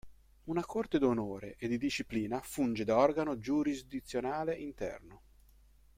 Una Corte d'onore e di disciplina funge da organo giurisdizionale interno.